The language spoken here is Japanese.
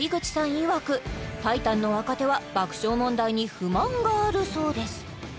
いわくタイタンの若手は爆笑問題に不満があるそうです